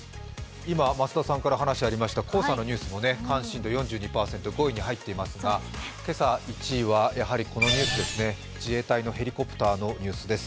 今、増田さんから話がありました黄砂のニュースも関心度４２％、５位に入っていますが、今朝１位はこのニュースですね、自衛隊のヘリコプターのニュースです。